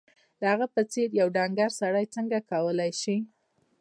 د هغه په څېر یو ډنګر سړی څنګه کولای شي